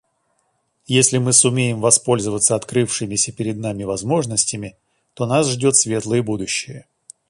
Если мы сумеем воспользоваться открывшимися перед нами возможностями, то нас ждет светлое будущее.